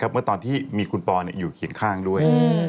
เมื่อตอนที่มีคุณปออยู่เคียงข้างด้วย